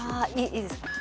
いいですか。